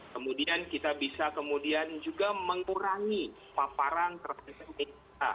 kemudian kita bisa kemudian juga mengurangi paparan terhadap kita